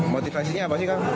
motivasinya apa sih kang